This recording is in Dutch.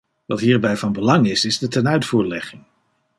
Wat hierbij van belang is, is de tenuitvoerlegging.